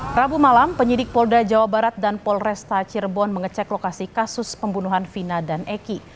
prabu malam penyidik polda jawa barat dan polresta cirebon mengecek lokasi kasus pembunuhan vina dan eki